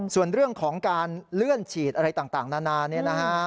ส่วนเรื่องของการเลื่อนฉีดอะไรต่างนานา